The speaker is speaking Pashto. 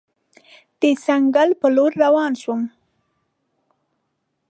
د ځنګله په لور روان شوم.